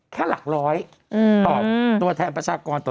แค่หลักร้อยตัวแทนปัชกรต้อง